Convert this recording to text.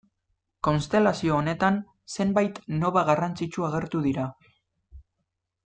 Konstelazio honetan, zenbait noba garrantzitsu agertu dira.